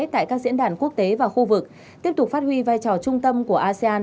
tại các diễn đàn quốc tế và khu vực tiếp tục phát huy vai trò trung tâm của asean